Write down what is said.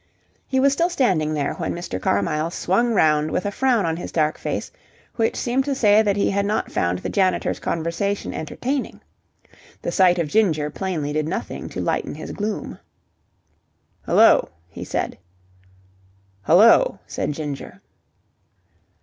He was still standing there when Mr. Carmyle swung round with a frown on his dark face which seemed to say that he had not found the janitor's conversation entertaining. The sight of Ginger plainly did nothing to lighten his gloom. "Hullo!" he said. "Hullo!" said Ginger.